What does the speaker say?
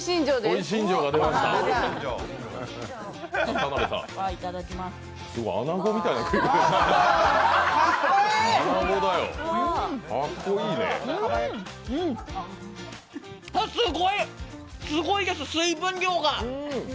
すごいです水分量が。